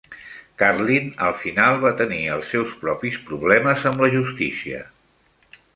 Carlin, al final, va tenir els seus propis problemes amb la justícia.